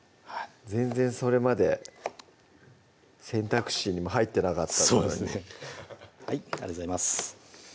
全然それまで選択肢にも入ってなかったのにはいありがとうございます